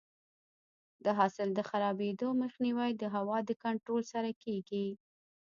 د حاصل د خرابېدو مخنیوی د هوا د کنټرول سره کیږي.